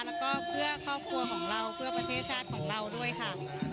แล้วก็เพื่อครอบครัวของเราเพื่อประเทศชาติของเราด้วยค่ะ